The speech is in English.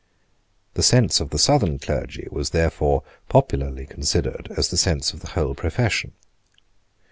The sense of the Southern clergy was therefore popularly considered as the sense of the whole profession.